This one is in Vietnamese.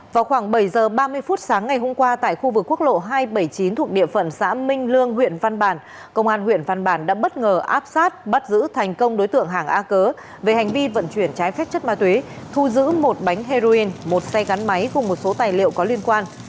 vào khoảng bảy h ba mươi phút sáng ngày hôm qua tại khu vực quốc lộ hai trăm bảy mươi chín thuộc địa phận xã minh lương huyện văn bàn công an huyện văn bản đã bất ngờ áp sát bắt giữ thành công đối tượng hàng a cớ về hành vi vận chuyển trái phép chất ma túy thu giữ một bánh heroin một xe gắn máy cùng một số tài liệu có liên quan